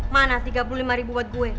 mana tiga puluh lima ribu buat gue